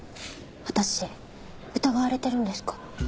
私疑われてるんですか？